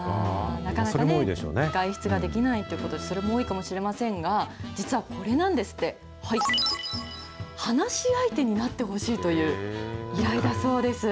なかなかね、外出ができないということで、それも多いかもしれませんが、実はこれなんですって、話し相手になってほしいという依頼だそうです。